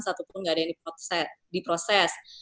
satupun nggak ada yang diproses